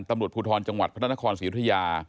ตำรวจผู้ทรจังหวัดพศศิริยา